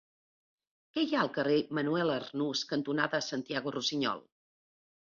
Què hi ha al carrer Manuel Arnús cantonada Santiago Rusiñol?